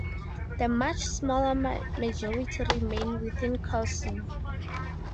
The much smaller majority remain within coursing.